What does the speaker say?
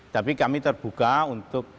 tapi kami terbuka untuk